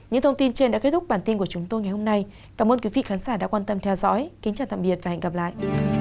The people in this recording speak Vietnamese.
những thông tin trên đã kết thúc bản tin của chúng tôi ngày hôm nay cảm ơn quý vị khán giả đã quan tâm theo dõi kính chào tạm biệt và hẹn gặp lại